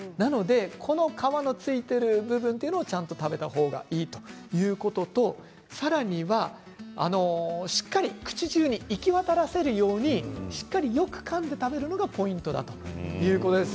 皮のついているものをちゃんと食べた方がいいということとさらに、しっかり口中に行き渡らせるようにしっかりよくかんで食べるのがポイントだということです。